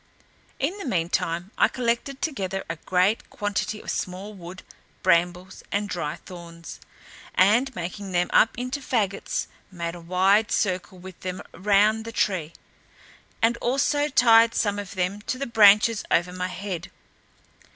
In the mean time I collected together a great quantity of small wood, brambles, and dry thorns, . and making them up into faggots, made a wide circle with them round the tree, and also tied some of them to the branches over my head.